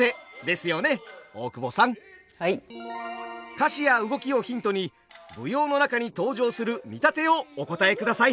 歌詞や動きをヒントに舞踊の中に登場する見立てをお答えください。